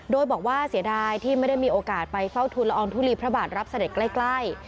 โดยบอกว่าเสียดายที่ไม่ได้มีโอกาสไปเฝ้าทุนละอองทุลีพระบาทรับเสด็จใกล้